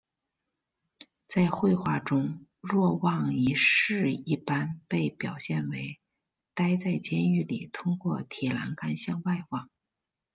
在绘画中若望一世一般被表现为待在监狱里通过铁栏杆向外望。